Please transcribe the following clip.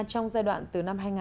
trong giai đoạn từ năm hai nghìn